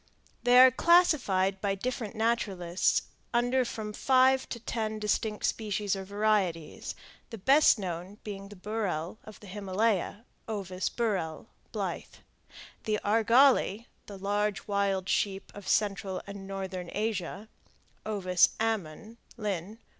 They are classified by different naturalists under from five to ten distinct species or varieties, the best known being the burrhel of the Himalaya (Ovis burrhel, Blyth); the argali, the large wild sheep of central and northeastern Asia (O. ammon, Linn.